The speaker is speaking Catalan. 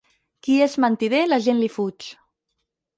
Qui és mentider, la gent li fuig.